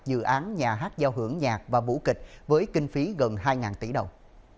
dự án nhà hát giao hưởng nhạc và vũ kịch với kinh phí gần hai tỷ đồng